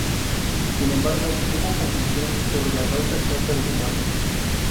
Sin embargo, hubo confusión sobre la causa exacta de su muerte.